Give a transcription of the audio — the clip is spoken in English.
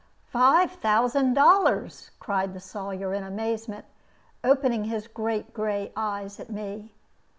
"Five thousand dollars!" cried the Sawyer, in amazement, opening his great gray eyes at me.